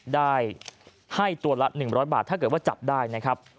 ได้ให้ตัวละ๑๐๐บาทถ้าเกิดว่าจับได้นะครับ